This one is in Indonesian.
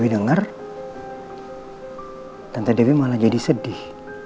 dewi denger tante dewi malah jadi sedih